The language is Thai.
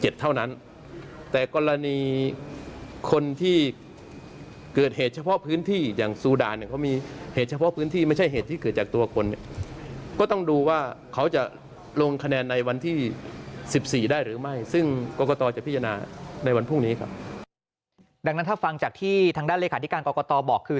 ดังนั้นถ้าฟังจากที่ทางด้านเลขาธิการกรกตบอกคือ